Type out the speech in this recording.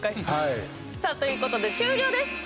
さあ、ということで終了です。